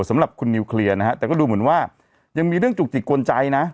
สำหรับคุณนิวเคลียร์นะฮะแต่ก็ดูเหมือนว่ายังมีเรื่องจุกจิกกวนใจนะ